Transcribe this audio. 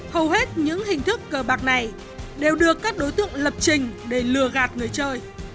hầu hết những hình thức cờ bạc này đều được các đối tượng lập trình để lừa gạt người chơi